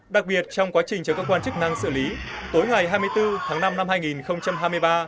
đặc biệt trong quá trình cho cơ quan chức năng xử lý tối ngày hai mươi bốn tháng năm năm hai nghìn hai mươi ba